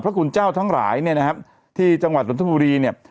คุณเจ้าทั้งหลายเนี่ยนะครับที่จังหวัดนทบุรีเนี่ย